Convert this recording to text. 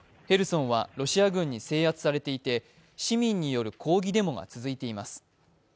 ヘルソンはロシア軍に制圧されていて、市民による抗議デモが続いています。